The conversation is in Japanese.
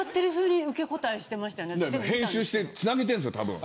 編集してつなげているんです多分。